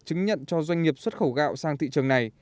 chứng nhận cho doanh nghiệp xuất khẩu gạo sang thị trường này